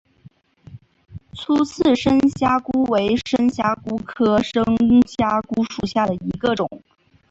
粗刺深虾蛄为深虾蛄科深虾蛄属下的一个种。